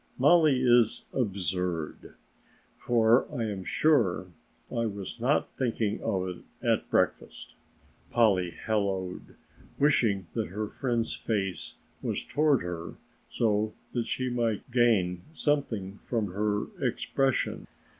Mollie is absurd, for I am sure I was not thinking of it at breakfast," Polly halloed, wishing that her friend's face was toward her so that she might gain something from her expression.